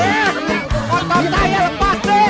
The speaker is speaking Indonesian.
eh motor saya lepasin